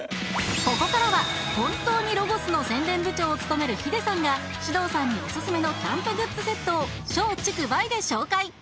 ここからは本当にロゴスの宣伝部長を務めるヒデさんが獅童さんにおすすめのキャンプグッズセットを松竹梅で紹介！